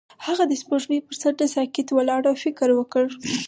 هغه د سپوږمۍ پر څنډه ساکت ولاړ او فکر وکړ.